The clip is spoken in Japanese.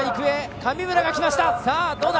神村がきました。